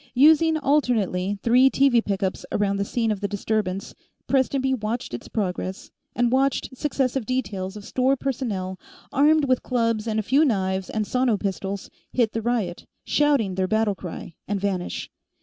Using, alternately, three TV pickups around the scene of the disturbance, Prestonby watched its progress, and watched successive details of store personnel, armed with clubs and a few knives and sono pistols, hit the riot, shouting their battle cry, and vanish.